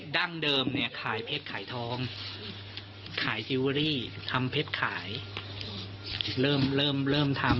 ดั้งเดิมเนี่ยขายเพชรขายทองขายซิเวอรี่ทำเพชรขายเริ่มเริ่มทำ